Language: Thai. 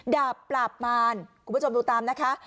ดาบปราบมารคุณผู้ชมดูตามนะคะ